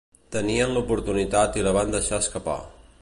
Tenien l’oportunitat i la van deixar escapar.